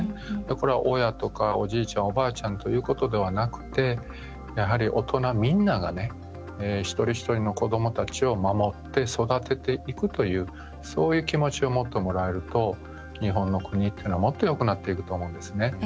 これは、親とかおじいちゃん、おばあちゃんということではなくてやはり大人、みんながね一人一人の子どもたちを守って育てていくというそういう気持ちを持ってもらえると日本の国っていうのは、もっとよくなっていくと思うんですね。